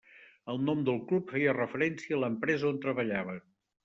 El nom del club feia referència a l'empresa on treballaven.